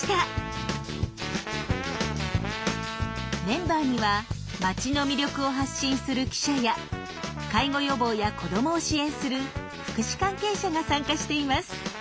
メンバーには町の魅力を発信する記者や介護予防や子どもを支援する福祉関係者が参加しています。